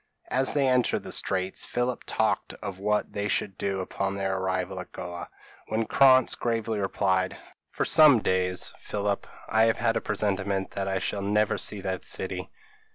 As they entered the Straits, Philip talked of what they should do upon their arrival at Goa; when Krantz gravely replied, "For some days, Philip, I have had a presentiment that I shall never see that city."